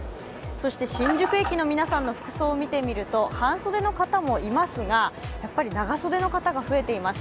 そして新宿駅の皆さんの服装を見てみると半袖の方もいますがやっぱり長袖の方が増えています。